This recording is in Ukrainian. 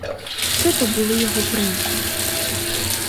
Все то були його примхи.